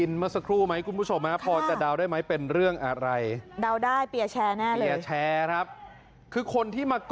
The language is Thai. นี่ก็ได้หนึ่งคันขาเอาวัดลงมาไม่ได้ทุกว่ายกลางบ้างมาเลย